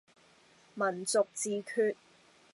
民族自決